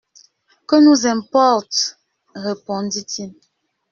Que nous importe ? répondit-il.